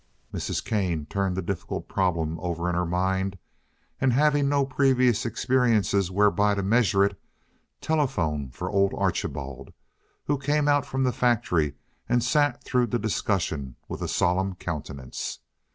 Mrs. Kane turned the difficult problem over in her mind and, having no previous experiences whereby to measure it, telephoned for old Archibald, who came out from the factory and sat through the discussion with a solemn countenance.